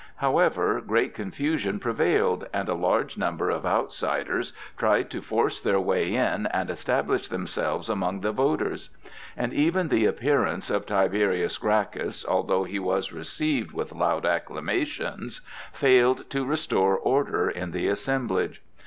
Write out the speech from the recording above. However, great confusion prevailed, and a large number of outsiders tried to force their way in and establish themselves among the voters. And even the appearance of Tiberius Gracchus, although he was received with loud acclamations, failed to restore order in the assemblage.